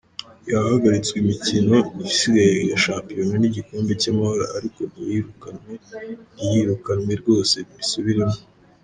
Yahagaritswe imikino isigaye ya shampiyona n’igikombe cy’Amahoro, ariko ntiyirukanwe, ntiyirukanwe rwose mbisubiremo.